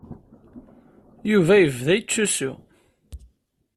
Yuba yebda yettusu.